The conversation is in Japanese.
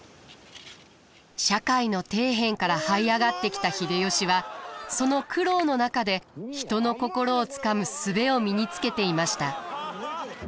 社会の底辺からはい上がってきた秀吉はその苦労の中で人の心をつかむ術を身につけていました。